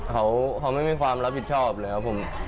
เขาไม่มีความรับผิดชอบเลยครับผม